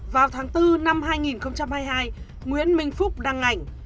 vào tháng bốn năm hai nghìn hai mươi hai nguyễn minh phúc đăng ảnh